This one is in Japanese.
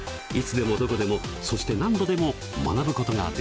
いつでもどこでもそして何度でも学ぶことができます。